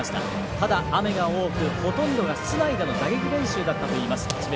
ただ、雨が多くほとんどが室内での打撃練習だったといいます智弁